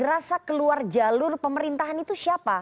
rasa keluar jalur pemerintahan itu siapa